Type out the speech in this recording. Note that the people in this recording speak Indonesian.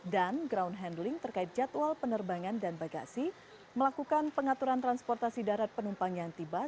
dan ground handling terkait jadwal penerbangan dan bagasi melakukan pengaturan transportasi darat penumpang yang tiba